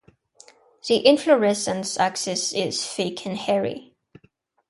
The inflorescence axis is thick and hairy.